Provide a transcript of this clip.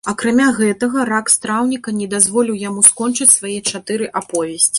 Акрамя гэтага, рак страўніка не дазволіў яму скончыць свае чатыры аповесці.